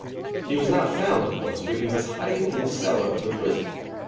He was not found, of course, for he was hiding in the cellar of the prison.